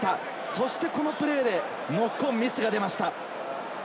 そしてこのプレーでノックオン、ミスが出ました。